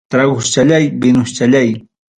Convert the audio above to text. Traguschallay, vinuschallay.